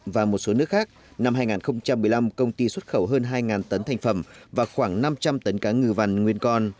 và một số nước khác năm hai nghìn một mươi năm công ty xuất khẩu hơn hai tấn thành phẩm và khoảng năm trăm linh tấn cá ngừ vằn nguyên con